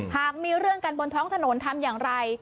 หากมีเรื่องกันบนท้องถนนทำอย่างไร